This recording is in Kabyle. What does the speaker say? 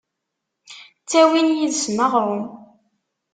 Ttawin yid-sen aɣrum…